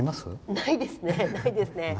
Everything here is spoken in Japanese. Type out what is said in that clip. ないですね。